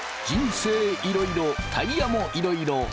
人生いろいろタイヤもいろいろ。